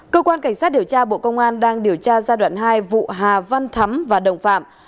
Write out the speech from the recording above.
cơ quan cảnh sát điều tra bộ công an đang điều tra giai đoạn hai vụ hà văn thắm và đồng phạm